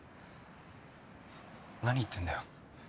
何言ってんだよ